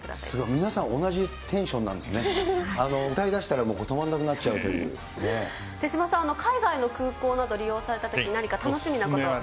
皆さん同じテンションなんですね、歌いだしたらもう止まんな手嶋さん、海外の空港など利用されたとき、何か楽しみなことは。